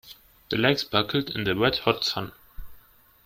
The lake sparkled in the red hot sun.